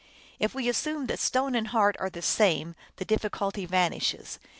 If we assume that stone and heart are the same, the difficulty van ishes.